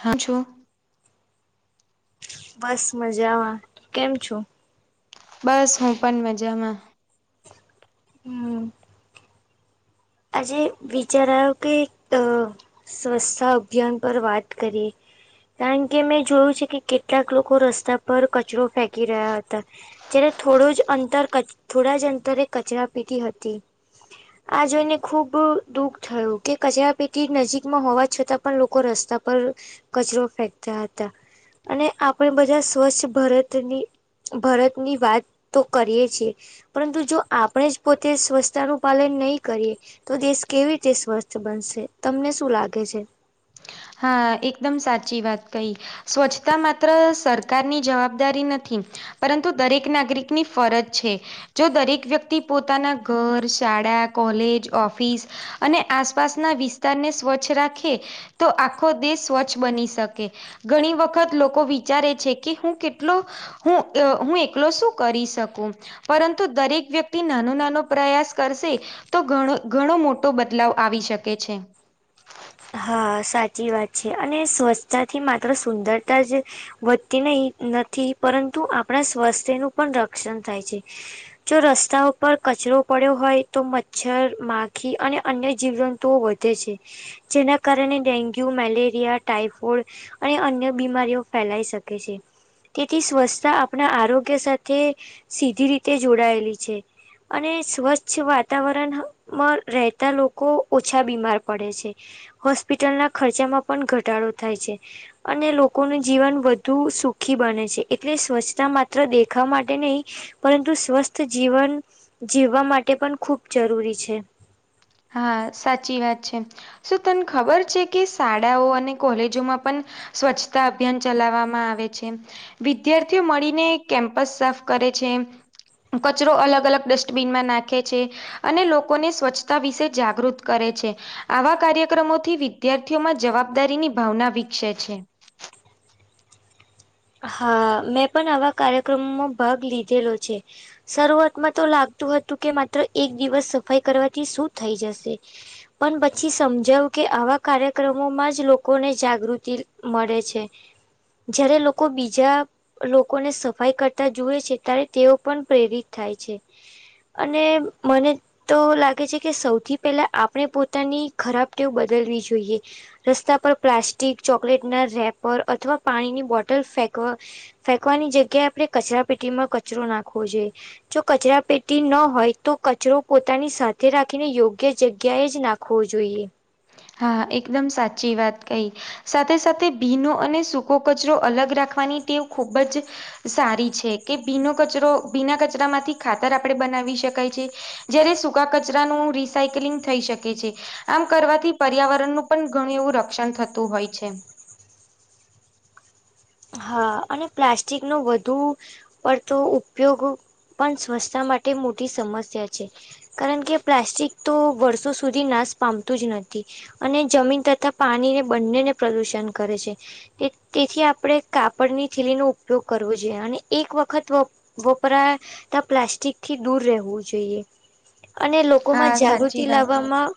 હા છો બસ મજામાં કેમ છો? બસ હું પણ મજામાં. હમ આજે વિચાર આયો કે અ સ્વચ્છતા અભિયાન પર વાત કરીએ. કારણ કે મેં જોયું છે કે કેટલાક લોકો રસ્તા પર કચરો ફેંકી રહ્યા હતા. જ્યારે થોડું જ અંતર કચ થોડા જ અંતરે કચરા પેટી હતી. આ જોઈને ખૂબ દુઃખ થયું કે કચરાપેટી નજીકમાં હોવા છતાં પણ લોકો રસ્તા પર કચરો ફેંકતા હતા અને આપણે બધા સ્વચ્છ ભરતની ભરતની વાત તો કરીએ છીએ. પરંતુ જો આપણે જ પોતે સ્વચ્છતાનું પાલન નહીં કરીએ. તો દેશ કેવી રીતે સ્વસ્થ બનશે તમને શું લાગે છે? હા એકદમ સાચી વાત કહી સ્વચ્છતા માત્ર સરકારની જવાબદારી નથી. પરંતુ દરેક નાગરિકની ફરજ છે. જો દરેક વ્યક્તિ પોતાના ઘર, શાળા, કોલેજ, ઓફિસ અને આસપાસના વિસ્તારને સ્વચ્છ રાખે તો આખો દેશ સ્વચ્છ બની શકે ઘણી વખત લોકો વિચારે છે, કે હું કેટલો હું હું એકલો શું કરી શકું પરંતુ દરેક વ્યક્તિ નાનો નાનો પ્રયાસ કરશે તો ધણો ઘણો મોટો બદલાવ આવી શકે છે. હા સાચી વાત છે, અને સ્વચ્છતાથી માત્ર સુંદરતા જ વધતી નહી નથી પરંતુ આપણા સ્વાસ્થ્યનું પણ રક્ષણ થાય છે. જો રસ્તા ઉપર કચરો પડ્યો હોય તો મચ્છર, માખી અને અન્ય જીવજંતુઓ વ ધે છે, જેના કારણે ડેન્ગ્યુ, મેલેરિયા, ટાઈફોઈડ અને અન્ય બીમારીઓ ફેલાઈ શકે છે. તેથી સ્વચ્છતા આપણા આરોગ્ય સાથે સીધી રીતે જોડાયેલી છે. અને સ્વચ્છ વાતાવરણમાં રહેતા લોકો ઓછા બીમાર પડે છે. હોસ્પિટલના ખર્ચામાં પણ ઘટાડો થાય છે. અને લોકોનું જીવન વધુ સુખી બને છે, એટલે સ્વચ્છતા માત્ર દેખાવ માટે નહી પરંતુ સ્વસ્થ જીવન જીવવા માટે પણ ખૂબ જરૂરી છે. હા સાચી વાત છે. શું તને ખબર છે, કે શાળાઓ અને કોલેજોમાં પણ સ્વરછતા અભિયાન ચલાવવામાં આવે છે. વિદ્યાર્થીઓ મળીને કેમ્પસ સાફ કરે છે. કચરો અલગ અલગ ડસ્ટબીનમાં નાખે છે, અને લોકોને સ્વચ્છ તા વિશે જાગૃત કરે છે. આવા કાર્યક્રમોથી વિદ્યાર્થીઓમાં જવાબદારીની ભાવના વિકસે છે. હા મેં પણ આવા કાર્યક્રમોમાં ભાગ લીધેલો છે. શરૂઆતમાં તો લાગતું હતું કે માત્ર એક દિવસ સફાઈ કરવાથી શું થઈ જશે. પન પછી સમજાવ કે આવા કાર્યક્રમોમાં જ લોકોને જાગૃતિ મળે છે. જયારે લોકો બીજા લોકોને સફાઈ કરતા જુએ છે, ત્યારે તેઓ પણ પ્રેરિત થાય છે. અને મને તો લાગે છે, કે સૌથી પહેલા આપણે પોતાની ખરાબ તેવ બદલવી જોઈએ. રસ્તા પર પ્લાસ્ટિક ચોકલેટ ના રેપર અથવા પાણીની બોટલ ફેંકવ ફેંકવાની જગ્યા આપડે કચરા પેટીમાં કચરો નાખવો જોએ. જો કચરા પેટી ન હોય તો કચરો પોતાની સાથે રાખીને યોગ્ય જગ્યા એ જ ના ખવો જોઈએ. હા એકદમ સાચી વાત કઈ સાથે સાથે ભીનો અને સૂકો કચરો અલગ રાખવાની ટેવ ખૂબ જ સારી છે, કે ભીનો કચરો ભીના કચરા માંથી ખાતર આપણે બનાવી શકાય છે. જયારે સૂકા કચરાનું રિસાયકલિંગ થઈ શકે છે, આમ કરવાથી પર્યાવરણનું પણ ઘણું એવું રક્ષણ થતું હોય છે. હા અને પ્લાસ્ટિકનો વધુ પડતો ઉપયોગ પણ સ્વચ્છતા માટે મોટી સમસ્યા છે. કારણ કે પ્લાસ્ટિક તો વર્ષો નાશ પામતું જ નથી. અને જમીન તથા પાણીને બંનેને પ્રદુષણ કરે છે તેથી આપણે કાપડની થીલી નો ઉપયોગ કરવો જોઈએ, અને એક વખત વપરા તા પ્લાસ્ટિક થી દૂર રહેવું જોઈએ, અને લોકોમાં હા સાચી જાગૃતિ વાત. લાવવામાં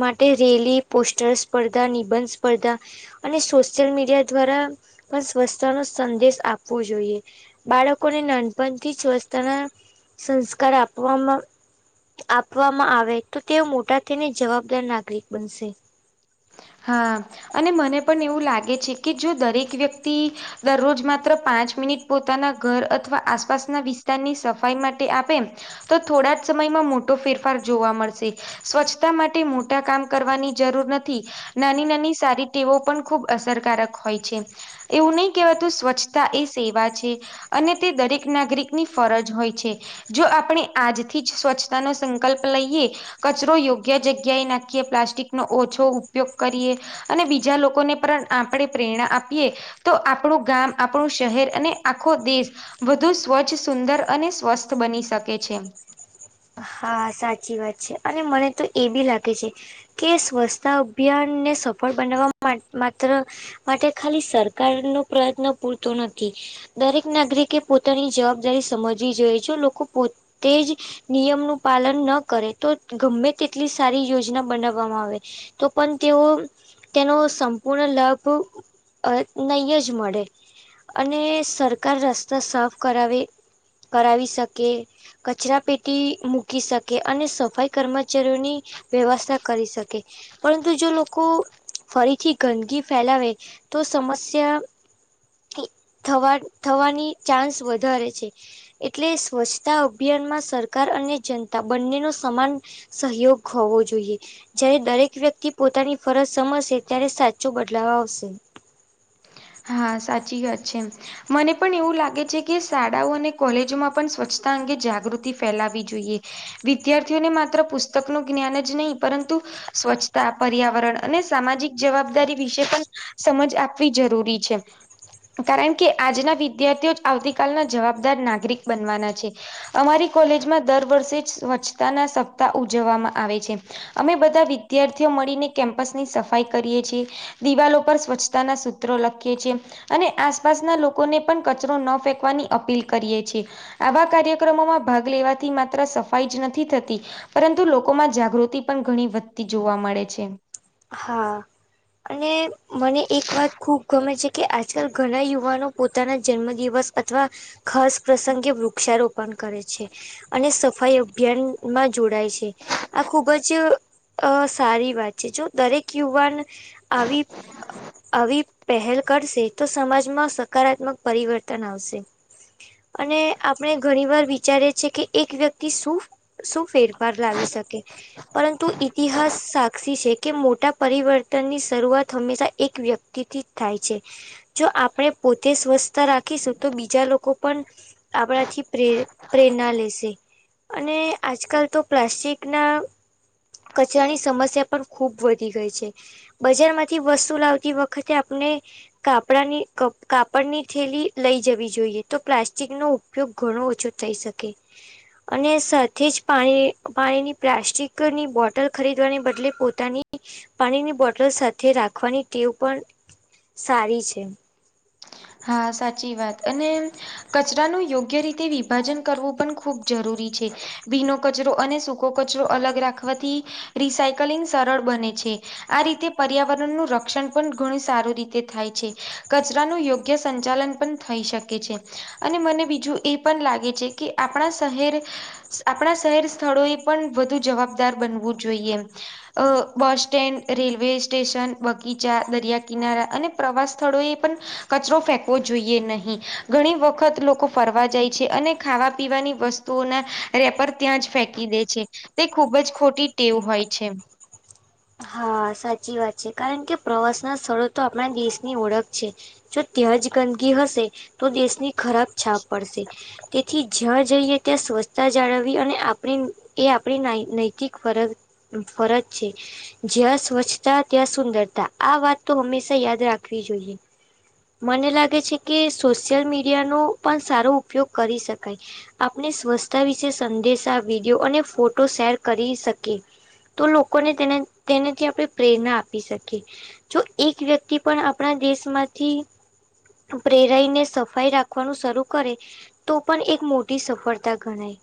માટે રેલી પોસ્ટર સ્પર્ધા નિબંધ સ્પર્ધા અને સોશિયલ મીડિયા દ્વારા પણ સ્વચછતા નો સંદેશ આપવો જોઈએ. બાળકોને નાનપણથી જ સ્વચ્છતા ના સંસ્કાર આપવામાં આપવામાં આવે તો તેઓ મોટા થને જવાબદાર નાગરિક બનશે. હા અને મને પણ એવું લાગે છે કે જો દરેક વ્યક્તિ દરરોજ માત્ર પાંચ મિનિટ પોતાના અથવા આસપાસના સફાઈ માટે આપે તો થોડા જ સમયમાં મોટો ફેરફાર જોવા મળશે. સ્વચ્છતા માટે મોટા કામ કરવાની જરૂર નથી. નાની નાની સારી ટેવો પણ ખૂબ અસરકારક હોય છે. એવું નહિ કહેવાતું સ્વચ્છતા એ સેવા છે. અને તે દરેક નાગરિક ની ફરજ હોય છે. જો આપણે આજથી જ સ્વચ્છતાનો સંકલ્પ લઈએ. કચરો યોગ્ય જગ્યાએ નાખીએ પ્લાસ્ટિકનો ઓછો ઉપયોગ કરીએ અને બીજા લોકોને પણ આપણે પ્રેરણા આપીએ. તો આપણું ગામ આપણું શહેર અને આખો દેશ વધુ સ્વચ્છ સુંદર અને સ્વસ્થ બની શકે છે. હા સાચી વાત છે, અને મને તો એ બી લાગે છે. કે સ્વચ્છતા અભિયાનને સફળ બનાવવા માત્ર માટે ખાલી સરકાર નો પ્રયત્ન પૂરતો નથી. દરેક નાગરિકે પોતાની જવાબદારી સમજવી જોઈએ જો લોકો તેજ નિયમનું પાલન ન કરે તો ગમે તેટલી સારી યોજના બનાવવામાં આવે તો પણ તેઓ તેનો સંપૂર્ણ લાભ અ નહીય જ મળે અને સરકાર રસ્તા સાફ કરાવે. કરાવી શકે કચરા પેટી મુ મૂકી શકે અને સફાઈ કર્મચારીઓની વ્યવસ્થા કરી શકે. પરંતુ જો લોકો ફરીથી ગંદકી ફેલાવે તો સમસ્યા થી થવા થવાની ચાન્સ વધારે છે. એટલે સ્વચ્છતા અભિયાનમાં સરકાર અને જનતા બંને નો સમાન સહયોગ હોવો જોઈએ. જયારે દરેક વ્યક્તિ પોતાની ફરજ સમજશે ત્યારે સાચો બદલાવ આવશે. હા સાચી વાતછે એમ મને પણ એવું લાગે છે કે શાળાઓ અને કોલેજોમાં પણ સ્વચ્છતા અંગે જાગૃતિ ફેલાવી જોઈએ. વિદ્યાર્થીઓને માત્ર પુસ્તક નુ જ્ઞાન જ નહીં પરંતુ સ્વચ્છતા પર્યાવરણ અને સામાજિક જવાબદારી વિશે પણ સમજ આપવી જરૂરી છેઅ. કારણ કે આજના વિદ્યાર્થીઓ જ આવતી કાલના જવાબદાર નાગરિક બનવાના છે. અમારી કોલેજમાં દર વર્ષે જ સ્વચ્છતાના સપ્તાહ ઉજવવામાં આવે છે. અમે બધા વિદ્યાર્થીઓ મળીને કેમ્પસની સફાઈ કરીએ છીએ. દિવાલો ઉપર સ્વચ્છતાના સૂત્રો લખ લખીએ છીએ, અને આસપાસના લોકોને પણ કચરો ન ફેંકવાની અપીલ કરીએ છીએ. આવા કાર્યક્રમોમાં ભાગ લેવાથી માત્ર સફાઈ જ નથી થતી. પરંતુ લોકોમાં જાગૃતિ પણ ઘણી વધતી જોવા મળે છે. હા અને મને એક વાત ખૂબ ગમે છે કે આજકાલ ઘણા યુવાનો પોતાના જન્મ દિવસ અથવા ખાસ પ્રસંગે વૃક્ષારોપણ કરે છે. અને સફાઈ અભિયાન માં જોડાય છે. આ ખુબ જ અ સારી વાત છે જો દરેક યુવાન આવી આવી પેહેલ કરશે તો સમાજમાં સકારાત્મક પરિવર્તન આવશે. અને આપણે ઘણી વાર વિચારી છીએ કે એક વ્યક્તિ શું શું ફેર ફાર લાવી શકે પરંતુ ઈતિહાસ સાક્ષી છે. કે મોટા પરિવર્તનની શરૂઆત હંમેશા એક વ્યક્તિથી જ થાય છે. જો આપડે પોતે સ્વસ્થ રાખીશું તો બીજા લોકો પણ આપડાથી પ્રે પ્રેરણા લેશે. અને આજકાલ તો પ્લાસ્ટિક ના કચરાની સમસ્યા પણ ખૂબ વધી ગઈ છે બજારમાંથી વસ્તુ લાવતી વખતે આપને કાપડાની કાપડની થેલી લઈ જવી જોઈએ તો પ્લાસ્ટિક નો પયોગ ઘણો ઓછો થઈ શકે અને સાથે જ પાણી પાણીની પ્લાસ્ટિકની બોટલ ખરીદવાને બદલે પો તાની પાણીની બોટલ સાથે રાખવાની ટેવ પણ સારી છે. હા સાચી વાત અને કચરાનું યોગ્ય રીતે વિભાજન કરવું પણ ખૂબ જરૂરી છે ભીનો કચરો અને સૂ કો કચરો અલગ રાખવાથી રિસાયકલિંગ સરળ બને છે. આ રીતે પર્યાવરણનું રક્ષણ પણ ઘણું સારી રીતે થાય છે કચરાનું યોગ ગ્ય સંચાલન પણ થઈ શકે છે. અને મને બીજું એ પણ લાગે છે કે આપડા શહેર આપડા શહેર સ્થળો એ પણ વધુ જવાબદાર બનવું જોઈએ. અ બસ સ્ટેન્ડ રેલવે સ્ટેશન બગીચા દરિયા કિનારા અને પ્રવાસ સ્થળો એ પણ કચરો ફેંકવો જોઈએ નહીં. ઘણી વખત લોકો ફરવા જાય છે, અને ખાવા પીવાની વસ તુઓના રેપર ત્યાં જ ફેંકી દે છે. તે ખુબ જ ખોટી ટેવ હોય છે. હા સાચી વાત છે કારણ કે પ્રવાસના સ્થળો તો આપણા દેશની ઓળખ છે. જો ત્યાં જ ગંદકી હશે તો દેશની ખરાબ છાપ પડશે. તેથી જ્યાં જઈએ ત્યાં સ્વચ્છતા જાળવવી. અને આપણે એ આપણી નાઈ નૈતિક ફરજ ફરજ છે. જ્યાં સ્વચ્છતા ત્યાં સુંદરતા. આ વાત તો હંમેશા યાદ રાખવી જોઈએ. મને લાગે છે કે સોશિયલ મીડિયાનો પણ સારો ઉપયોગ કરી શકાય. આપને સ્વચ્સ્તા વિશે સંદેશા, વિડીયો અને ફોટો શેર કરી શકીએ તો લોકોને તેને તેનેથી આપડે પ્રેરણા આપી શકીએ. જો એક વ્યક્તિ પણ આપણા દેશમાંથી પ્રેરાઈને સફાઈ રાખવાનું શરૂ કરે તો પણ એક મોટી સફળતા ગણાય.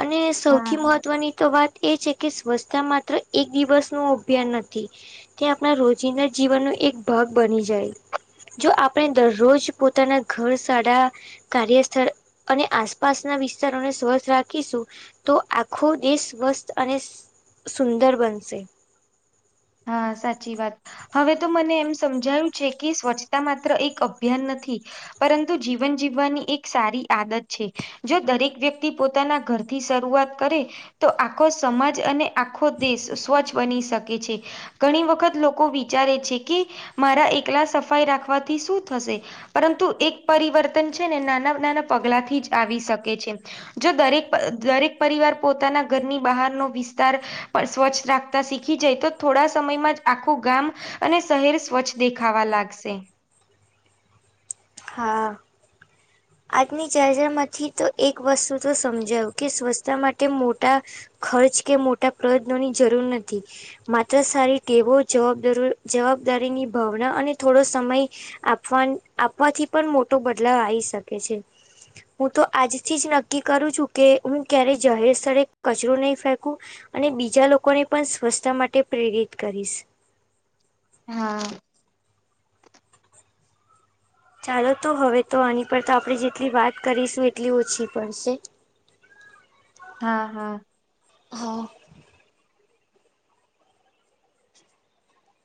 અને હા સૌથી મહત્વની તો વાત એ છે કે સ્વચ્છતા માત્ર એક દિવસ નું અભિયાન નથી તે આપણા રોજિંદા જીવનનો એક ભાગ બની જાય. જો આપણે દરરોજ પોતાના ઘર સારા કાર્યસ્થળ અને આસપાસના વિસ્તારોને સ્વચ્છ રાખીશું. તો આખો દેશ સ્વસ્થ અને સુંદર બનશે. હા સાચી વાત. હવે તો મને એમ સમજાયું છે, કે સ્વચ્છતા માત્ર એક અભિયાન નથી. પરંતુ જીવન જીવવાની એક સારી આદત છે. જો દરેક વ્યક્તિ પોતાના ઘરથી શરૂઆત કરે તો આખો સમાજ અને આખો દેશ સ્વચ્છ બની શકે છે. ઘણી વખત લોકો વિચારે છે, કે મારા એકલા સફાઈ રાખવાથી શું થશે? પરંતુ એક પરિવર્તન છે ને નાના-નાના પગલાથી જ આવી શકે છે. જો દરેક-દરેક પરિવાર પોતાના ઘરની બહારનો વિસ્તાર પણ સ્વચ્છ રાખતા શીખી જાય તો થોડા સમયમાં જ આખું ગામ અને શહેર સ્વચ્છ દેખાવા લાગશે. હા. આજની ચર્ચામાંથી તો એક વસ્તુ તો સમજાયું, કે સ્વચ્છતા માટે મોટા ખર્ચ કે મોટા પ્રયત્નોની જરૂર નથી. માત્ર સારી ટેવો, જવાબદારો જવાબદારીની ભાવના અને થોડો સમય આપવાન આપવાથી પણ મોટો બદલાવ આઈ શકે છે. હું તો આજથી જ નક્કી કરું છું, કે હું ક્યારેય જાહેર સ્થળે કચરો નહીં ફેંકું. અને બીજા લોકોને પણ સ્વચ્છતા માટે પ્રેરિત કરીશ. હા. ચાલો તો હવે તો આની પર તો આપણે જેટલી વાત કરીશું એટલી ઓછી પડશે. [inaudible] હા, હા. હા.